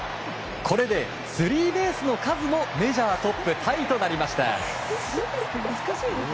これでスリーベースの数もメジャートップタイとなりました。